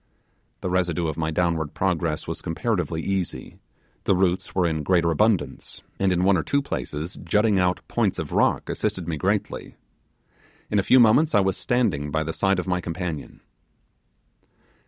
The residue of my downward progress was comparatively easy; the roots were in greater abundance, and in one or two places jutting out points of rock assisted me greatly. In a few moments I was standing by the side of my companion.